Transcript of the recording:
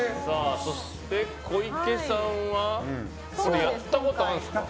そして小池さんはやったことあるんですか？